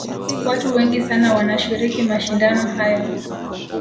watu wengi sana wanashiriki mashindano hayo